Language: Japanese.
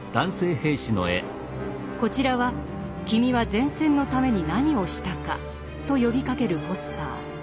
こちらは「君は前線のために何をしたか？」と呼びかけるポスター。